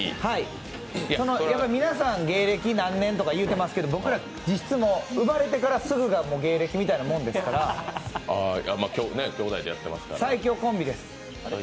やっぱ、皆さん芸歴何年とか言っていますけど僕ら、実質生まれてからすぐが芸歴みたいなもんですから最強コンビです。